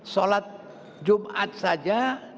salat jumat saja